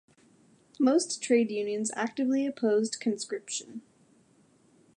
Most trade unions actively opposed conscription.